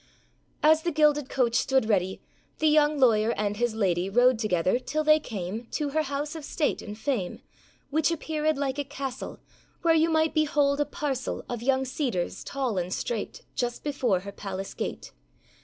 As the gilded coach stood ready, The young lawyer and his lady Rode together, till they came To her house of state and fame; Which appearèd like a castle, Where you might behold a parcel Of young cedars, tall and straight, Just before her palace gate.